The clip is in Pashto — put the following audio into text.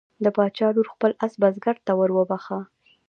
د باچا لور خپل آس بزګر ته وروبخښه.